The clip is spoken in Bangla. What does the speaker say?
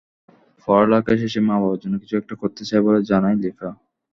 পড়ালেখা শেষে মা-বাবার জন্য কিছু একটা করতে চায় বলে জানায় লিপা।